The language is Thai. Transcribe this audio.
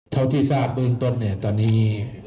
เท่าที่ทราบเบื้องต้นเนี่ยตอนนี้